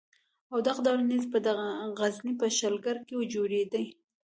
او دغه ډول نېزې به د غزني په شلګر کې جوړېدې.